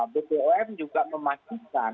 bpo juga memastikan